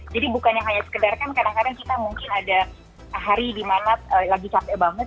jadi bukan yang hanya sekadar kan kadang kadang kita mungkin ada hari dimanat lagi capek banget